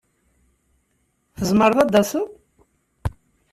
Tzemreḍ ad taseḍ?